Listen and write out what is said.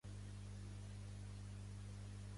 Va comprar-se roba interior sexi i el va assaltar.